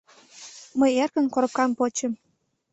Мый эркын коробкам почым.